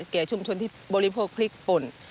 แก่ชุมชนที่บริโภคพริกป่น